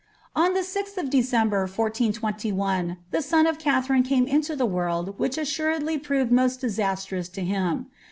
On the 6th of December, 1421, the son of Katherine came into a world which assuredly proved most disastrous to him.